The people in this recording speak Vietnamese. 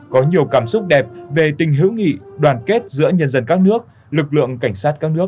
có nhiều cảm xúc đẹp về tình hữu nghị đoàn kết giữa nhân dân các nước lực lượng cảnh sát các nước